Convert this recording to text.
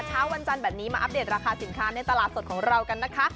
เช้าวันจันทร์แบบนี้มาอัปเดตราคาสินค้าในตลาดสดของเรากันนะคะ